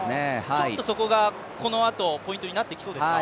ちょっとそこが、このあとポイントになってきそうですか？